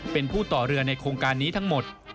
เป็นผู้ต่อเรือในโครงการนี้ทั้งหมด